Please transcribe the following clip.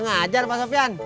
nggak ngajar pak sofyan